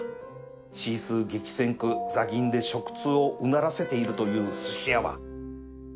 シースー激戦区ザ銀で食通をうならせているというすし屋は